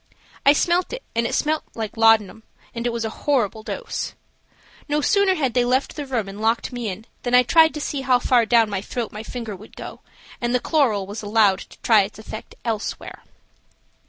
I smelt it and it smelt like laudanum, and it was a horrible dose. No sooner had they left the room and locked me in than I tried so see how far down my throat my finger would go, and the chloral was allowed to try its effect elsewhere.